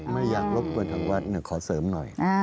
ไม่อยากรบกวนทางวัดขอเสริมหน่อย